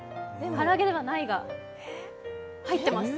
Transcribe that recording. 唐揚げではないが、入ってます。